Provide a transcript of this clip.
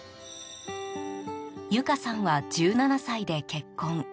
由香さんは１７歳で結婚。